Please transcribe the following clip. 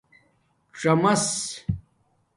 څامَس